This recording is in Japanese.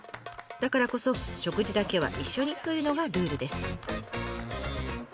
だからこそ食事だけは一緒にというのがルールです。